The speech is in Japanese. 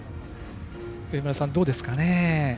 上村さん、どうですかね。